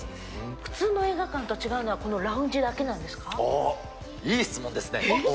普通の映画館と違うのは、あっ、いい質問ですね。